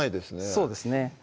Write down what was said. そうですね